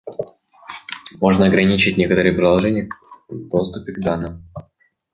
Можно ограничить некоторые приложения в доступе к данным